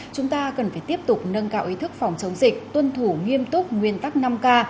chúng ta cần phải tiếp tục nâng cao ý thức phòng chống dịch tuân thủ nghiêm túc nguyên tắc năm k